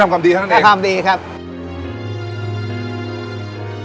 ทำความดีครับแค่ทำความดีเท่านั้นเอง